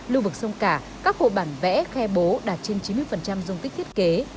lưu vực sông cả các hồ bản vẽ khe bố đạt trên chín mươi dung tích thiết kế